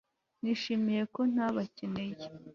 nishimiye ko ntabikeneye